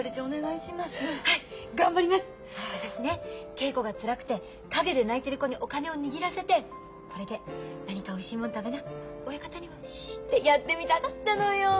稽古がつらくて陰で泣いてる子にお金を握らせて「これで何かおいしいもん食べな親方にはシ」ってやってみたかったのよ。